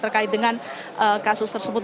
terkait dengan kasus tersebut